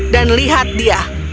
dan lihat dia